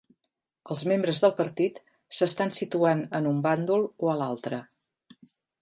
Els membres del partit s’estan situant en un bàndol o a l’altre.